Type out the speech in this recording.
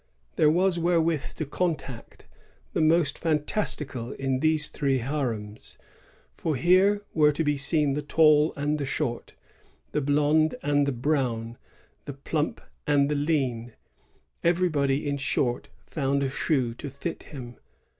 There was wherewith to content the most fantastical in these three harems; for here were to be seen the tall and the short, the blond and the brown, the plump and the lean ; every body, in short, found a shoe to fit him.